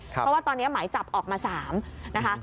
เพราะว่าตอนนี้หมายจับออกมา๓นะคะ